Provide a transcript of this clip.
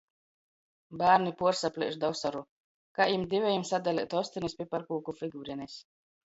Bārni puorsaplieš da osoru, kai jim divejim sadaleit ostonis piparkūku figurenis.